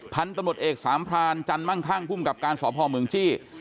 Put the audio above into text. พันธุ์ตระหนดเอกสามพรานจันมั่งทั่งคุ้มกับการสอบภอมเมืองจี้